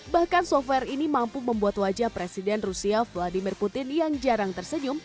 bahkan software ini mampu membuat wajah presiden rusia vladimir putin yang jarang tersenyum